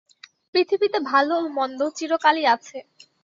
পৃথিবীতে ভাল ও মন্দ চিরকালই আছে।